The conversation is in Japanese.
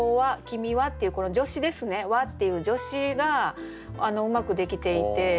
「きみは」っていうこの助詞ですね「は」っていう助詞がうまくできていて。